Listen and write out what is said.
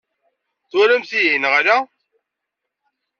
Twalamt-iyi neɣ ala?